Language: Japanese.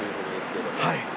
はい。